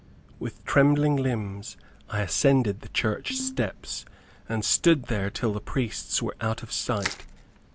With trembling limbs I ascended the Church steps, and stood there till the priests were out of sight.